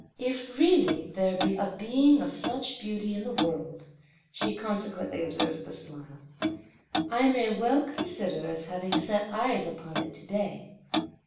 "If really there be a being of such beauty in the world," she consequently observed with a smile, "I may well consider as having set eyes upon it to day!